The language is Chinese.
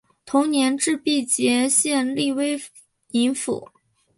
同年置毕节县隶威宁府。